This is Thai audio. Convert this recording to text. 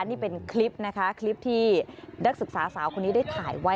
นี่เป็นคลิปนะคะคลิปที่นักศึกษาสาวคนนี้ได้ถ่ายไว้